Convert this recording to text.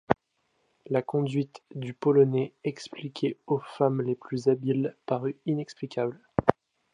La conduite du Polonais, expliquée aux femmes les plus habiles, parut inexplicable.